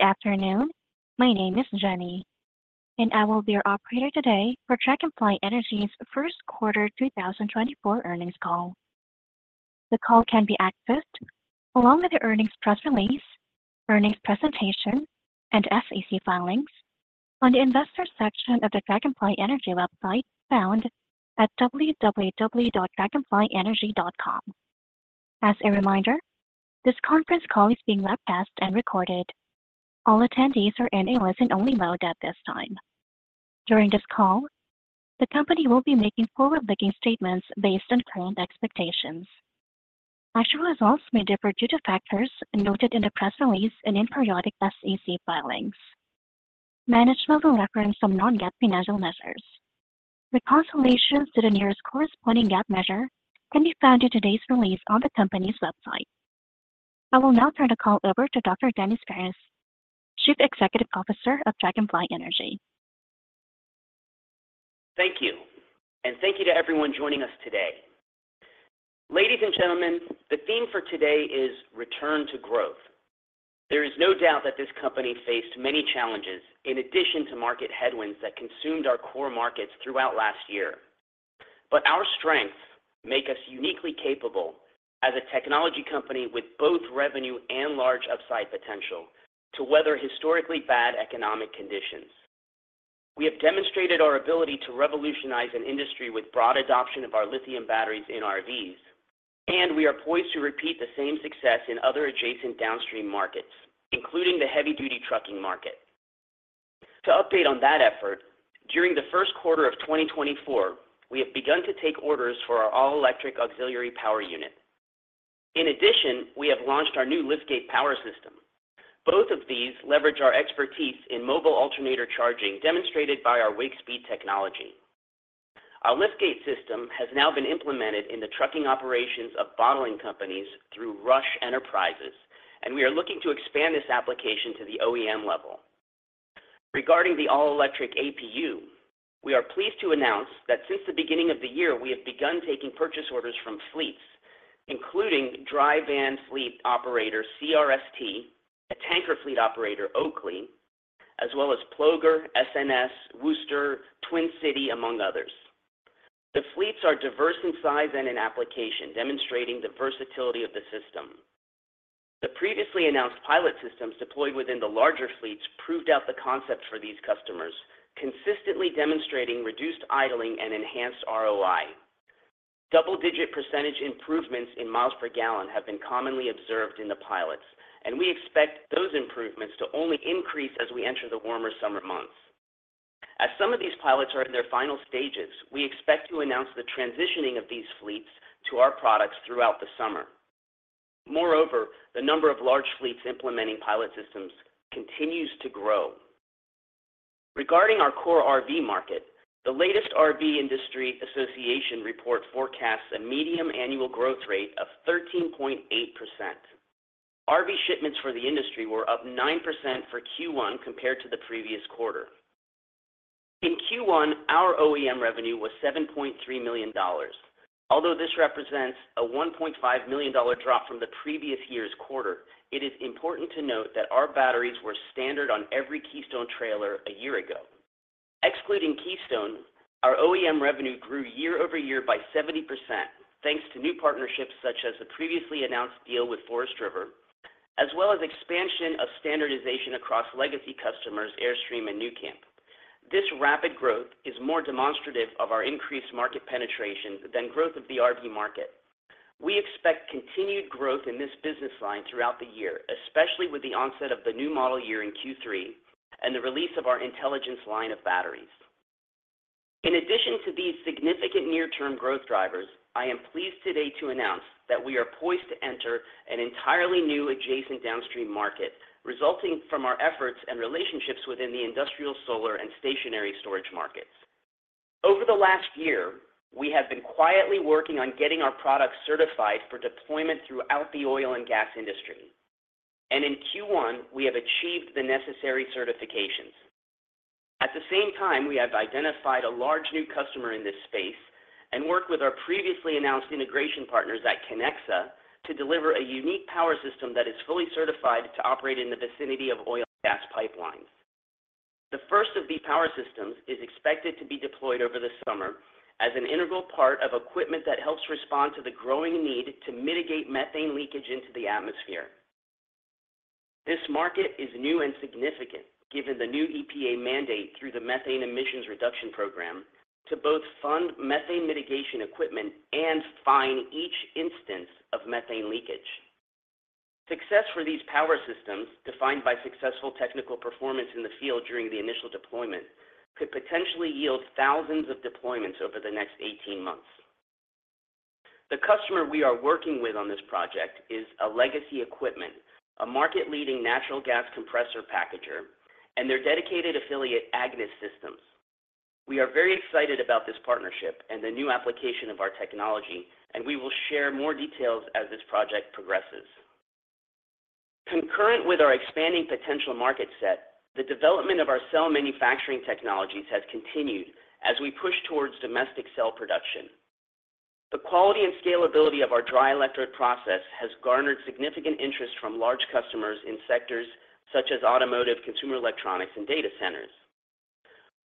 Good afternoon. My name is Jenny, and I will be your operator today for Dragonfly Energy's first quarter 2024 earnings call. The call can be accessed along with the earnings press release, earnings presentation, and SEC filings on the investor section of the Dragonfly Energy website found at www.dragonflyenergy.com. As a reminder, this conference call is being broadcast and recorded. All attendees are in a listen-only mode at this time. During this call, the company will be making forward-looking statements based on current expectations. Actual results may differ due to factors noted in the press release and in periodic SEC filings. Management will reference some non-GAAP financial measures. Reconciliations to the nearest corresponding GAAP measure can be found in today's release on the company's website. I will now turn the call over to Dr. Denis Phares, Chief Executive Officer of Dragonfly Energy. Thank you, and thank you to everyone joining us today. Ladies and gentlemen, the theme for today is return to growth. There is no doubt that this company faced many challenges in addition to market headwinds that consumed our core markets throughout last year. But our strengths make us uniquely capable as a technology company with both revenue and large upside potential to weather historically bad economic conditions. We have demonstrated our ability to revolutionize an industry with broad adoption of our lithium batteries in RVs, and we are poised to repeat the same success in other adjacent downstream markets, including the heavy-duty trucking market. To update on that effort, during the first quarter of 2024, we have begun to take orders for our all-electric auxiliary power unit. In addition, we have launched our new liftgate power system. Both of these leverage our expertise in mobile alternator charging demonstrated by our Wakespeed technology. Our liftgate system has now been implemented in the trucking operations of bottling companies through Rush Enterprises, and we are looking to expand this application to the OEM level. Regarding the all-electric APU, we are pleased to announce that since the beginning of the year we have begun taking purchase orders from fleets, including dry van fleet operator CRST, a tanker fleet operator Oakley, as well as Ploger, S&S, Schuster, Twin City, among others. The fleets are diverse in size and in application, demonstrating the versatility of the system. The previously announced pilot systems deployed within the larger fleets proved out the concept for these customers, consistently demonstrating reduced idling and enhanced ROI. Double-digit percentage improvements in miles per gallon have been commonly observed in the pilots, and we expect those improvements to only increase as we enter the warmer summer months. As some of these pilots are in their final stages, we expect to announce the transitioning of these fleets to our products throughout the summer. Moreover, the number of large fleets implementing pilot systems continues to grow. Regarding our core RV market, the latest RV Industry Association report forecasts a medium annual growth rate of 13.8%. RV shipments for the industry were up 9% for Q1 compared to the previous quarter. In Q1, our OEM revenue was $7.3 million. Although this represents a $1.5 million drop from the previous year's quarter, it is important to note that our batteries were standard on every Keystone trailer a year ago. Excluding Keystone, our OEM revenue grew year-over-year by 70% thanks to new partnerships such as the previously announced deal with Forest River, as well as expansion of standardization across legacy customers Airstream and nuCamp. This rapid growth is more demonstrative of our increased market penetration than growth of the RV market. We expect continued growth in this business line throughout the year, especially with the onset of the new model year in Q3 and the release of our IntelLigence line of batteries. In addition to these significant near-term growth drivers, I am pleased today to announce that we are poised to enter an entirely new adjacent downstream market resulting from our efforts and relationships within the industrial solar and stationary storage markets. Over the last year, we have been quietly working on getting our products certified for deployment throughout the oil and gas industry, and in Q1 we have achieved the necessary certifications. At the same time, we have identified a large new customer in this space and worked with our previously announced integration partners at Connexa to deliver a unique power system that is fully certified to operate in the vicinity of oil and gas pipelines. The first of these power systems is expected to be deployed over the summer as an integral part of equipment that helps respond to the growing need to mitigate methane leakage into the atmosphere. This market is new and significant given the new EPA mandate through the Methane Emissions Reduction Program to both fund methane mitigation equipment and fine each instance of methane leakage. Success for these power systems, defined by successful technical performance in the field during the initial deployment, could potentially yield thousands of deployments over the next 18 months. The customer we are working with on this project is Alegacy Equipment, a market-leading natural gas compressor packager, and their dedicated affiliate Agnes Systems. We are very excited about this partnership and the new application of our technology, and we will share more details as this project progresses. Concurrent with our expanding potential market set, the development of our cell manufacturing technologies has continued as we push towards domestic cell production. The quality and scalability of our dry electrode process has garnered significant interest from large customers in sectors such as automotive, consumer electronics, and data centers.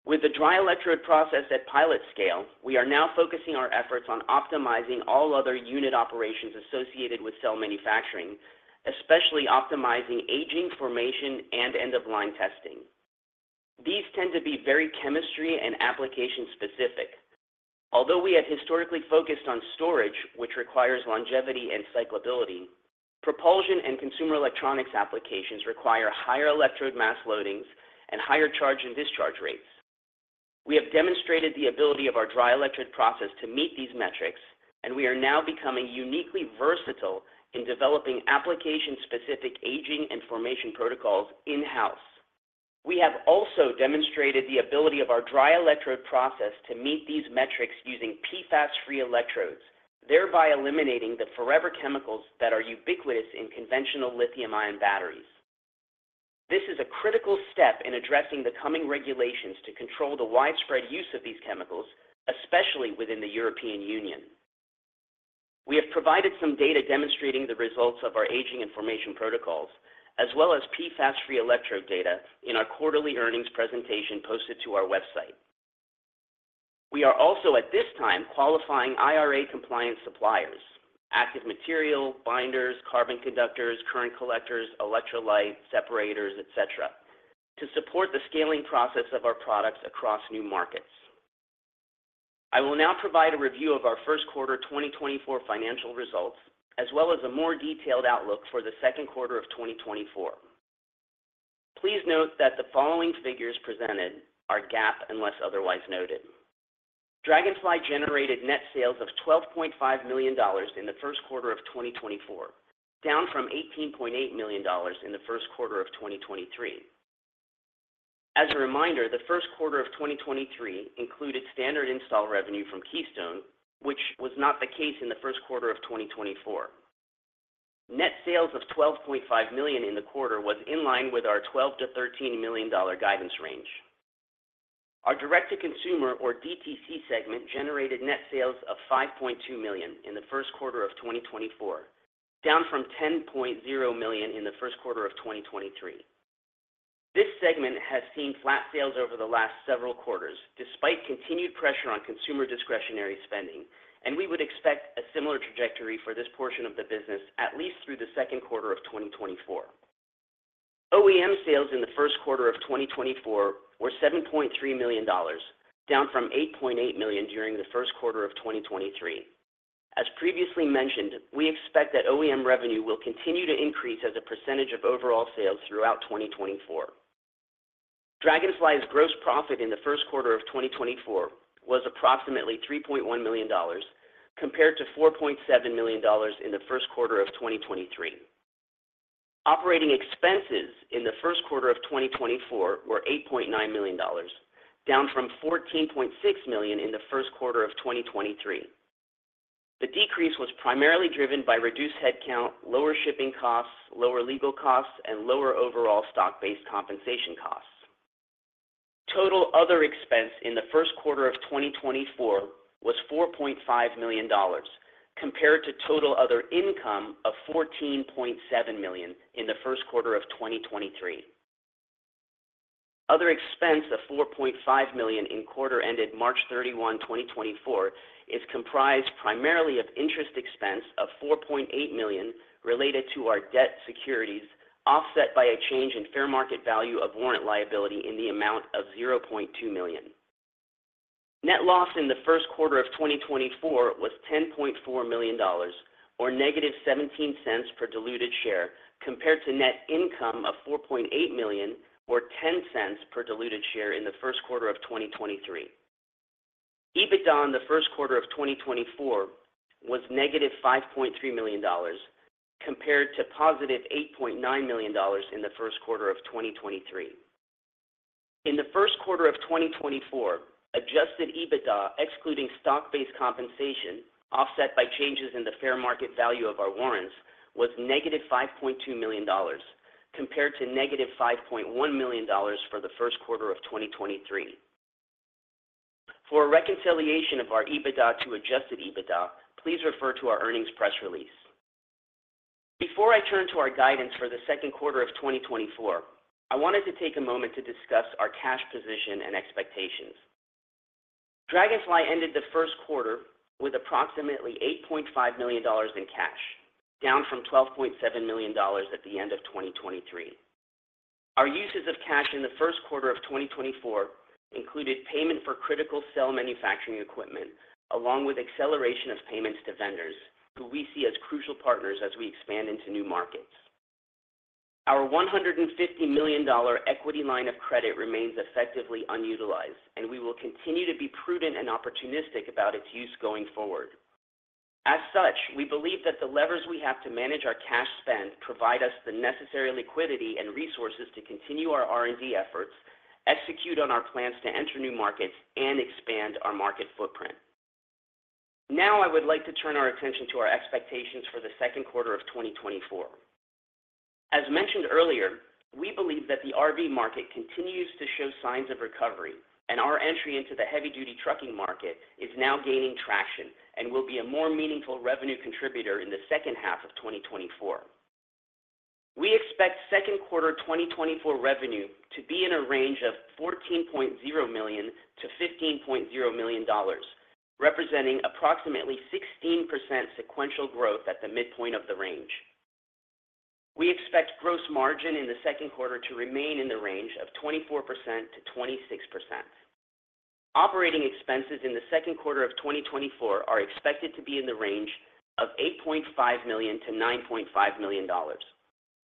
With the dry electrode process at pilot scale, we are now focusing our efforts on optimizing all other unit operations associated with cell manufacturing, especially optimizing aging formation and end-of-line testing. These tend to be very chemistry and application-specific. Although we have historically focused on storage, which requires longevity and cyclability, propulsion and consumer electronics applications require higher electrode mass loadings and higher charge and discharge rates. We have demonstrated the ability of our dry electrode process to meet these metrics, and we are now becoming uniquely versatile in developing application-specific aging and formation protocols in-house. We have also demonstrated the ability of our dry electrode process to meet these metrics using PFAS-free electrodes, thereby eliminating the forever chemicals that are ubiquitous in conventional lithium-ion batteries. This is a critical step in addressing the coming regulations to control the widespread use of these chemicals, especially within the European Union. We have provided some data demonstrating the results of our aging and formation protocols, as well as PFAS-free electrode data in our quarterly earnings presentation posted to our website. We are also at this time qualifying IRA-compliant suppliers (active material, binders, carbon conductors, current collectors, electrolyte, separators, etc.) to support the scaling process of our products across new markets. I will now provide a review of our first quarter 2024 financial results, as well as a more detailed outlook for the second quarter of 2024. Please note that the following figures presented are GAAP unless otherwise noted. Dragonfly generated net sales of $12.5 million in the first quarter of 2024, down from $18.8 million in the first quarter of 2023. As a reminder, the first quarter of 2023 included standard install revenue from Keystone, which was not the case in the first quarter of 2024. Net sales of $12.5 million in the quarter was in line with our $12 milion-$13 million guidance range. Our direct-to-consumer, or DTC, segment generated net sales of $5.2 million in the first quarter of 2024, down from $10.0 million in the first quarter of 2023. This segment has seen flat sales over the last several quarters despite continued pressure on consumer discretionary spending, and we would expect a similar trajectory for this portion of the business at least through the second quarter of 2024. OEM sales in the first quarter of 2024 were $7.3 million, down from $8.8 million during the first quarter of 2023. As previously mentioned, we expect that OEM revenue will continue to increase as a percentage of overall sales throughout 2024. Dragonfly's gross profit in the first quarter of 2024 was approximately $3.1 million, compared to $4.7 million in the first quarter of 2023. Operating expenses in the first quarter of 2024 were $8.9 million, down from $14.6 million in the first quarter of 2023. The decrease was primarily driven by reduced headcount, lower shipping costs, lower legal costs, and lower overall stock-based compensation costs. Total other expense in the first quarter of 2024 was $4.5 million, compared to total other income of $14.7 million in the first quarter of 2023. Other expense of $4.5 million in quarter-ended March 31, 2024 is comprised primarily of interest expense of $4.8 million related to our debt securities, offset by a change in fair market value of warrant liability in the amount of $0.2 million. Net loss in the first quarter of 2024 was $10.4 million, or negative $0.17 per diluted share, compared to net income of $4.8 million, or $0.10 per diluted share in the first quarter of 2023. EBITDA in the first quarter of 2024 was negative $5.3 million, compared to positive $8.9 million in the first quarter of 2023. In the first quarter of 2024, Adjusted EBITDA excluding stock-based compensation, offset by changes in the fair market value of our warrants, was negative $5.2 million, compared to negative $5.1 million for the first quarter of 2023. For a reconciliation of our EBITDA to Adjusted EBITDA, please refer to our earnings press release. Before I turn to our guidance for the second quarter of 2024, I wanted to take a moment to discuss our cash position and expectations. Dragonfly ended the first quarter with approximately $8.5 million in cash, down from $12.7 million at the end of 2023. Our uses of cash in the first quarter of 2024 included payment for critical cell manufacturing equipment, along with acceleration of payments to vendors, who we see as crucial partners as we expand into new markets. Our $150 million equity line of credit remains effectively unutilized, and we will continue to be prudent and opportunistic about its use going forward. As such, we believe that the levers we have to manage our cash spend provide us the necessary liquidity and resources to continue our R&D efforts, execute on our plans to enter new markets, and expand our market footprint. Now I would like to turn our attention to our expectations for the second quarter of 2024. As mentioned earlier, we believe that the RV market continues to show signs of recovery, and our entry into the heavy-duty trucking market is now gaining traction and will be a more meaningful revenue contributor in the second half of 2024. We expect second quarter 2024 revenue to be in a range of $14.0 million-$15.0 million, representing approximately 16% sequential growth at the midpoint of the range. We expect gross margin in the second quarter to remain in the range of 24%-26%. Operating expenses in the second quarter of 2024 are expected to be in the range of $8.5 million-$9.5 million,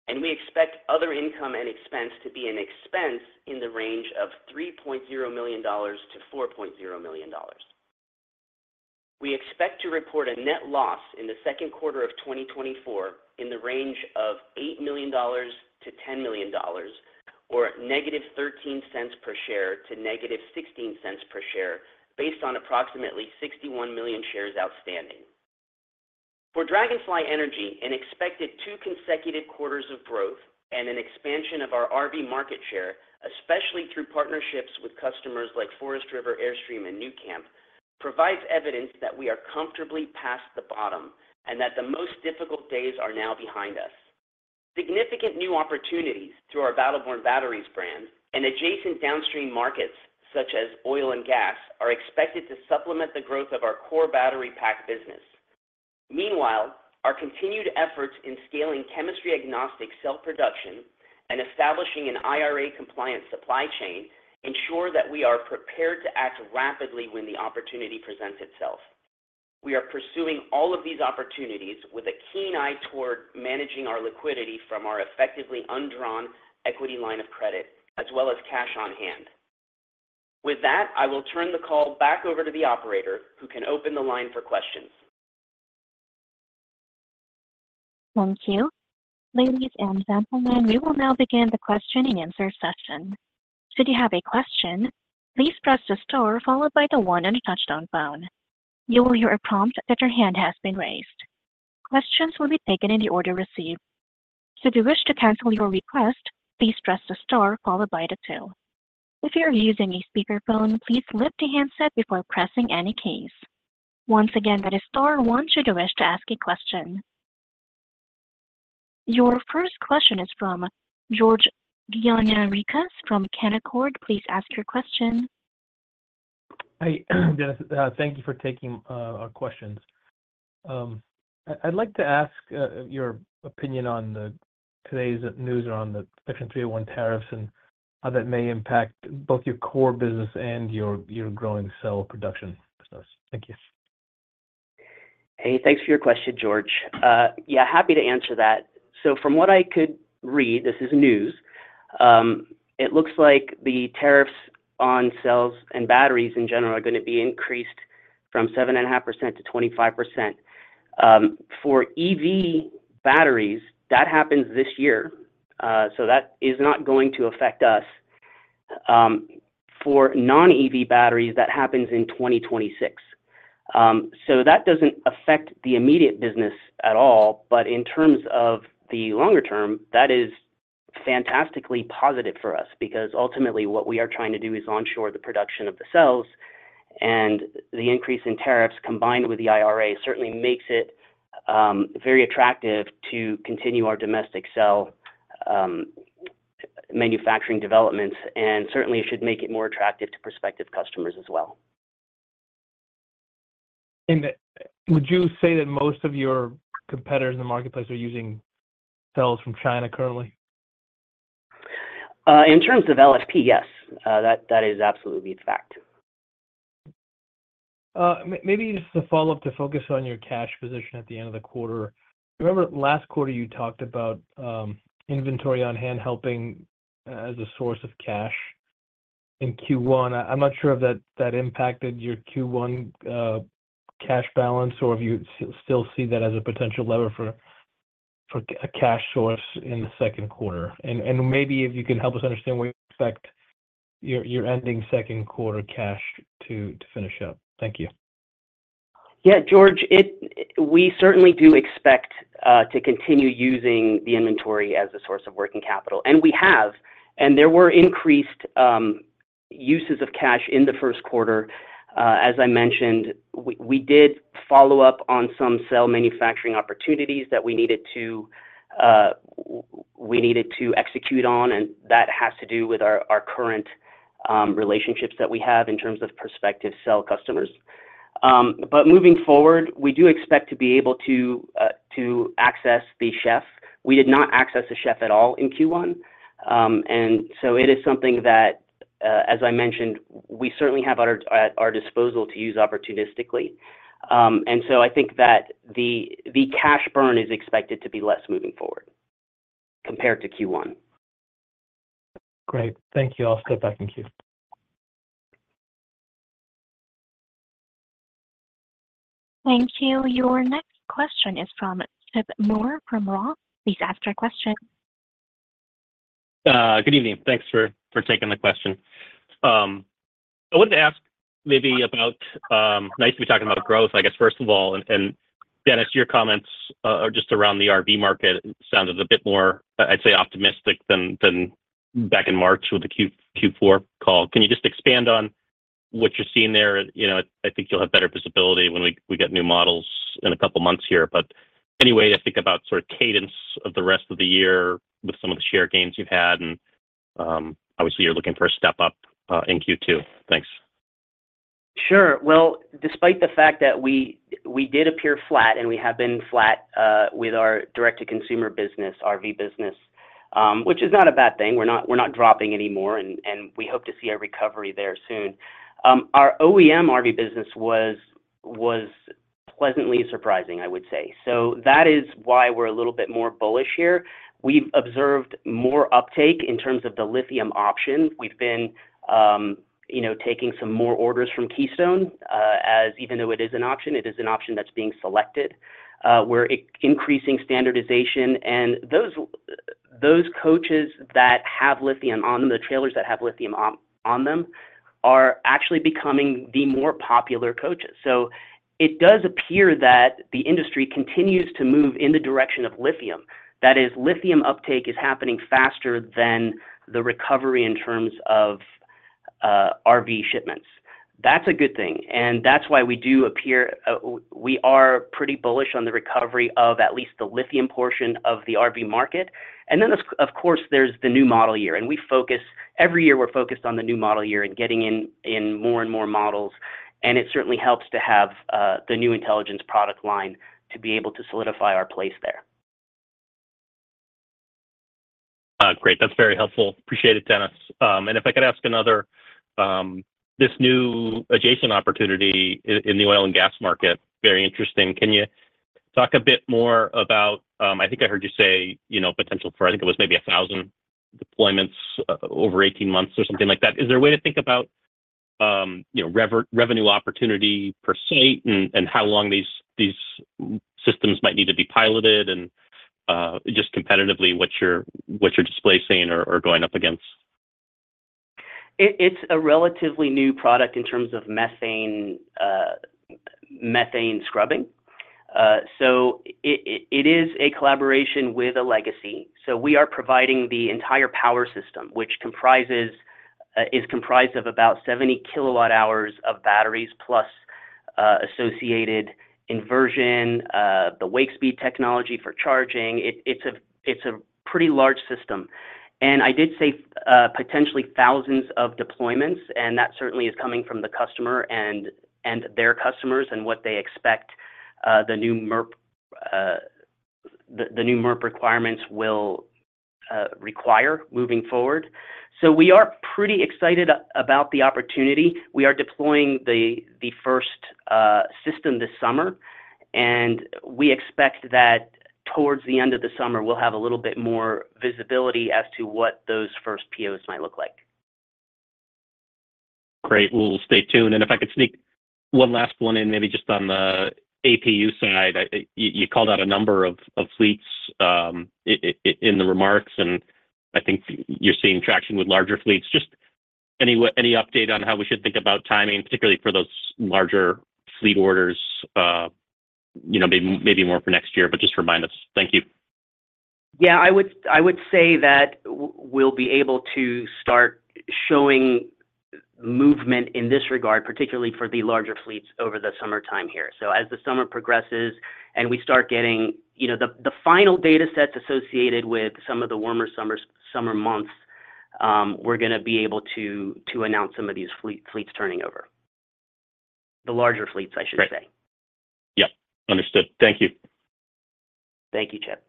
and we expect other income and expense to be an expense in the range of $3.0 million-$4.0 million. We expect to report a net loss in the second quarter of 2024 in the range of $8 million-$10 million, or negative $0.13 per share to negative $0.16 per share, based on approximately 61 million shares outstanding. For Dragonfly Energy, an expected two consecutive quarters of growth and an expansion of our RV market share, especially through partnerships with customers like Forest River, Airstream, and nuCamp, provides evidence that we are comfortably past the bottom and that the most difficult days are now behind us. Significant new opportunities through our Battle Born Batteries brand and adjacent downstream markets such as oil and gas are expected to supplement the growth of our core battery pack business. Meanwhile, our continued efforts in scaling chemistry-agnostic cell production and establishing an IRA-compliant supply chain ensure that we are prepared to act rapidly when the opportunity presents itself. We are pursuing all of these opportunities with a keen eye toward managing our liquidity from our effectively undrawn equity line of credit as well as cash on hand. With that, I will turn the call back over to the operator, who can open the line for questions. Thank you. Ladies and gentlemen, we will now begin the question-and-answer session. Should you have a question, please press the star followed by the one on the touch-tone phone. You will hear a prompt that your hand has been raised. Questions will be taken in the order received. Should you wish to cancel your request, please press the star followed by the two. If you are using a speakerphone, please lift the handset before pressing any keys. Once again, that is star one should you wish to ask a question. Your first question is from George Gianarikas from Canaccord. Please ask your question. Hi, Denis. Thank you for taking our questions. I'd like to ask your opinion on today's news around the Section 301 tariffs and how that may impact both your core business and your growing cell production business. Thank you. Hey, thanks for your question, George. Yeah, happy to answer that. So from what I could read, this is news, it looks like the tariffs on cells and batteries in general are going to be increased from 7.5%-25%. For EV batteries, that happens this year, so that is not going to affect us. For non-EV batteries, that happens in 2026. So that doesn't affect the immediate business at all, but in terms of the longer term, that is fantastically positive for us because ultimately what we are trying to do is onshore the production of the cells, and the increase in tariffs combined with the IRA certainly makes it very attractive to continue our domestic cell manufacturing developments, and certainly it should make it more attractive to prospective customers as well. Would you say that most of your competitors in the marketplace are using cells from China currently? In terms of LFP, yes. That is absolutely a fact. Maybe just a follow-up to focus on your cash position at the end of the quarter. Remember last quarter you talked about inventory on hand helping as a source of cash in Q1. I'm not sure if that impacted your Q1 cash balance or if you still see that as a potential lever for a cash source in the second quarter. Maybe if you can help us understand where you expect your ending second quarter cash to finish up. Thank you. Yeah, George, we certainly do expect to continue using the inventory as a source of working capital, and we have. There were increased uses of cash in the first quarter. As I mentioned, we did follow up on some cell manufacturing opportunities that we needed to execute on, and that has to do with our current relationships that we have in terms of prospective cell customers. Moving forward, we do expect to be able to access the ChEF. We did not access the ChEF at all in Q1, and so it is something that, as I mentioned, we certainly have at our disposal to use opportunistically. So I think that the cash burn is expected to be less moving forward compared to Q1. Great. Thank you. I'll step back and queue. Thank you. Your next question is from Chip Moore from Roth. Please ask your question. Good evening. Thanks for taking the question. I wanted to ask maybe about, nice to be talking about growth, I guess, first of all. And Denis, your comments just around the RV market sounded a bit more, I'd say, optimistic than back in March with the Q4 call. Can you just expand on what you're seeing there? I think you'll have better visibility when we get new models in a couple of months here. But anyway, to think about sort of cadence of the rest of the year with some of the share gains you've had, and obviously you're looking for a step up in Q2. Thanks. Sure. Well, despite the fact that we did appear flat, and we have been flat with our direct-to-consumer business, RV business, which is not a bad thing. We're not dropping anymore, and we hope to see a recovery there soon. Our OEM RV business was pleasantly surprising, I would say. So that is why we're a little bit more bullish here. We've observed more uptake in terms of the lithium option. We've been taking some more orders from Keystone, as even though it is an option, it is an option that's being selected. We're increasing standardization, and those coaches that have lithium on the trailers that have lithium on them are actually becoming the more popular coaches. So it does appear that the industry continues to move in the direction of lithium. That is, lithium uptake is happening faster than the recovery in terms of RV shipments. That's a good thing, and that's why we do appear, we are pretty bullish on the recovery of at least the lithium portion of the RV market. And then, of course, there's the new model year, and we focus, every year we're focused on the new model year and getting in more and more models, and it certainly helps to have the new IntelLigence product line to be able to solidify our place there. Great. That's very helpful. Appreciate it, Denis. And if I could ask another, this new adjacent opportunity in the oil and gas market, very interesting. Can you talk a bit more about, I think I heard you say potential for, I think it was maybe 1,000 deployments over 18 months or something like that. Is there a way to think about revenue opportunity per site and how long these systems might need to be piloted, and just competitively what you're displacing or going up against? It's a relatively new product in terms of methane scrubbing. So it is a collaboration with Alegacy. So we are providing the entire power system, which is comprised of about 70 kWh of batteries plus associated inverters, the Wakespeed technology for charging. It's a pretty large system. And I did say potentially thousands of deployments, and that certainly is coming from the customer and their customers and what they expect the new MERP requirements will require moving forward. So we are pretty excited about the opportunity. We are deploying the first system this summer, and we expect that towards the end of the summer, we'll have a little bit more visibility as to what those first POs might look like. Great. We'll stay tuned. If I could sneak one last one in, maybe just on the APU side. You called out a number of fleets in the remarks, and I think you're seeing traction with larger fleets. Just any update on how we should think about timing, particularly for those larger fleet orders, maybe more for next year, but just remind us. Thank you. Yeah, I would say that we'll be able to start showing movement in this regard, particularly for the larger fleets over the summertime here. So as the summer progresses and we start getting the final datasets associated with some of the warmer summer months, we're going to be able to announce some of these fleets turning over. The larger fleets, I should say. Yep. Understood. Thank you. Thank you, Chip.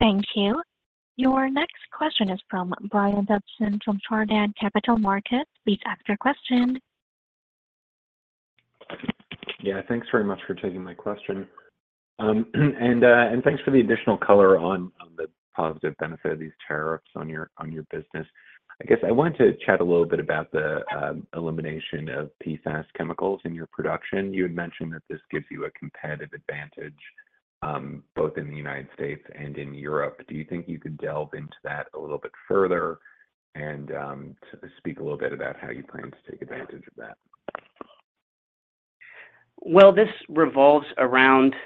Thank you. Your next question is from Brian Dobson from Chardan Capital Markets. Please ask your question. Yeah, thanks very much for taking my question. Thanks for the additional color on the positive benefit of these tariffs on your business. I guess I wanted to chat a little bit about the elimination of PFAS chemicals in your production. You had mentioned that this gives you a competitive advantage both in the United States and in Europe. Do you think you could delve into that a little bit further and speak a little bit about how you plan to take advantage of that? Well, this revolves around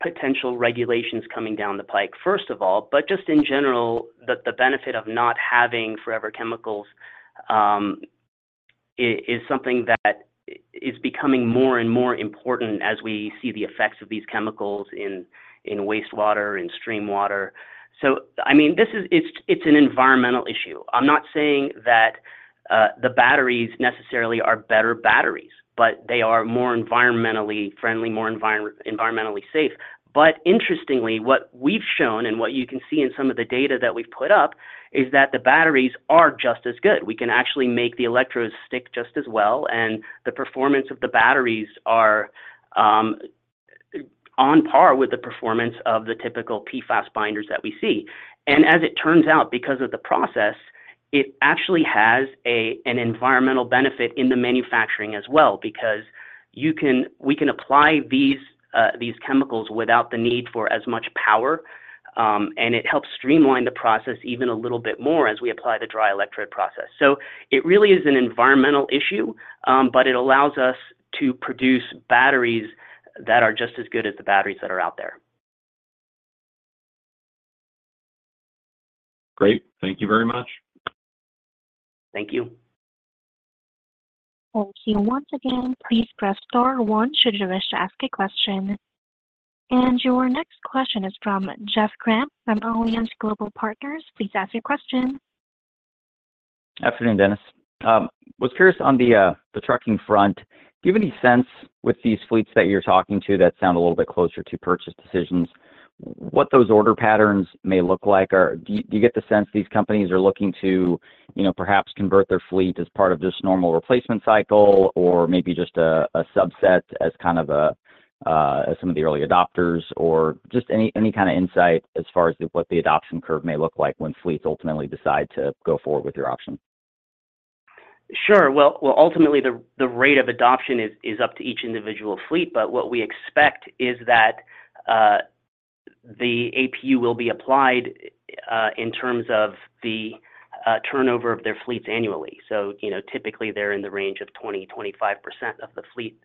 potential regulations coming down the pike, first of all, but just in general, the benefit of not having forever chemicals is something that is becoming more and more important as we see the effects of these chemicals in wastewater, in stream water. So I mean, it's an environmental issue. I'm not saying that the batteries necessarily are better batteries, but they are more environmentally friendly, more environmentally safe. But interestingly, what we've shown and what you can see in some of the data that we've put up is that the batteries are just as good. We can actually make the electrodes stick just as well, and the performance of the batteries are on par with the performance of the typical PFAS binders that we see. As it turns out, because of the process, it actually has an environmental benefit in the manufacturing as well because we can apply these chemicals without the need for as much power, and it helps streamline the process even a little bit more as we apply the dry electrode process. It really is an environmental issue, but it allows us to produce batteries that are just as good as the batteries that are out there. Great. Thank you very much. Thank you. Thank you. Once again, please press star one should you wish to ask a question. Your next question is from Jeff Grampp from Alliance Global Partners. Please ask your question. Afternoon, Denis. I was curious on the trucking front. Do you have any sense with these fleets that you're talking to that sound a little bit closer to purchase decisions, what those order patterns may look like? Do you get the sense these companies are looking to perhaps convert their fleet as part of just normal replacement cycle or maybe just a subset as kind of some of the early adopters or just any kind of insight as far as what the adoption curve may look like when fleets ultimately decide to go forward with your option? Sure. Well, ultimately, the rate of adoption is up to each individual fleet, but what we expect is that the APU will be applied in terms of the turnover of their fleets annually. So typically, they're in the range of 20%-25% of the fleet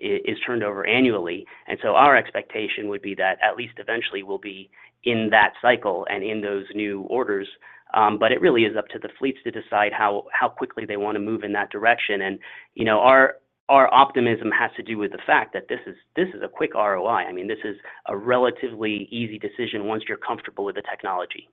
is turned over annually. And so our expectation would be that at least eventually we'll be in that cycle and in those new orders. But it really is up to the fleets to decide how quickly they want to move in that direction. And our optimism has to do with the fact that this is a quick ROI. I mean, this is a relatively easy decision once you're comfortable with the technology.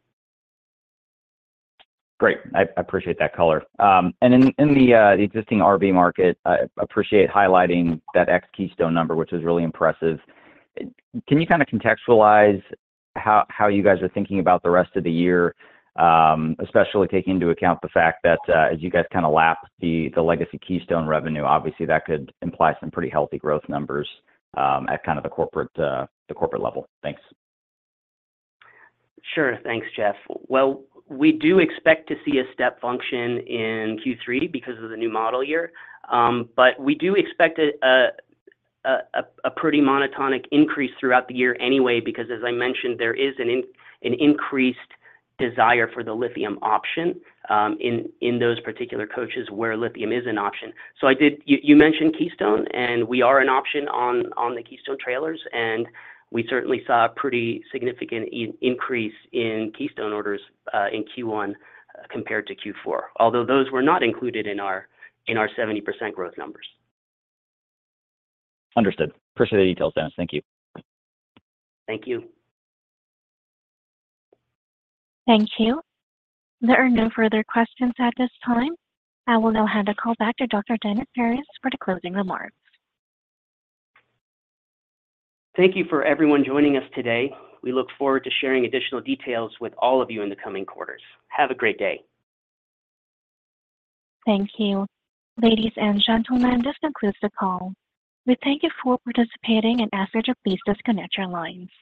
Great. I appreciate that color. And in the existing RV market, I appreciate highlighting that ex-Keystone number, which was really impressive. Can you kind of contextualize how you guys are thinking about the rest of the year, especially taking into account the fact that as you guys kind of lap the legacy Keystone revenue, obviously, that could imply some pretty healthy growth numbers at kind of the corporate level. Thanks. Sure. Thanks, Jeff. Well, we do expect to see a step function in Q3 because of the new model year. But we do expect a pretty monotonic increase throughout the year anyway because, as I mentioned, there is an increased desire for the lithium option in those particular coaches where lithium is an option. So you mentioned Keystone, and we are an option on the Keystone trailers. And we certainly saw a pretty significant increase in Keystone orders in Q1 compared to Q4, although those were not included in our 70% growth numbers. Understood. Appreciate the details, Denis. Thank you. Thank you. Thank you. There are no further questions at this time. I will now hand the call back to Dr. Denis Phares for the closing remarks. Thank you for everyone joining us today. We look forward to sharing additional details with all of you in the coming quarters. Have a great day. Thank you. Ladies and gentlemen, this concludes the call. We thank you for participating and ask that you please disconnect your lines.